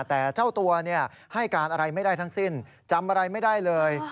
แต่เจ้าตัวให้การอะไรไม่ได้ทั้งสิ้นจำอะไรไม่ได้เลย